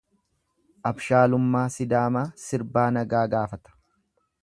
Abshaalummaa sidaamaa sirbaa nagaa gaafata.